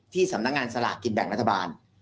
สำนักงานสลากกินแบ่งรัฐบาล